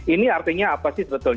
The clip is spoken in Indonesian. ini artinya apa